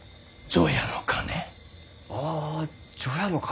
除夜の鐘？